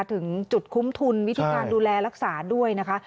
ถึงจุดคุ้มทุนวิธีการดูแลรักษาด้วยนะคะ